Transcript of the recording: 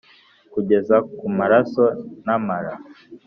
kugeza ku maraso n’amara,